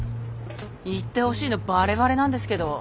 言ってほしいのバレバレなんですけど。